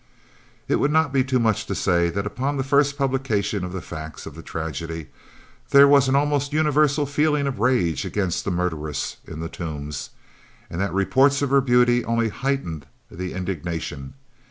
It would not be too much to say that upon the first publication of the facts of the tragedy, there was an almost universal feeling of rage against the murderess in the Tombs, and that reports of her beauty only heightened the indignation.